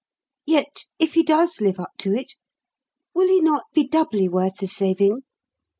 Yet if he does live up to it, will he not be doubly worth the saving?